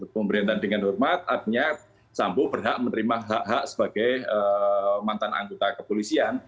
pemerintahan dengan hormat artinya sambo berhak menerima hak hak sebagai mantan anggota kepolisian